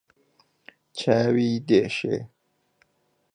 چاوی دێشێ